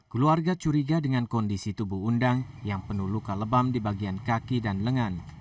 keluarga curiga dengan kondisi tubuh undang yang penuh luka lebam di bagian kaki dan lengan